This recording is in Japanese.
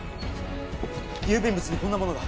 郵便物にこんなものが。